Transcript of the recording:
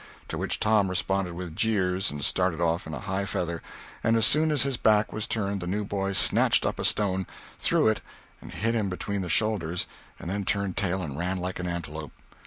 To which Tom responded with jeers, and started off in high feather, and as soon as his back was turned the new boy snatched up a stone, threw it and hit him between the shoulders and then turned tail and ran like an antelope.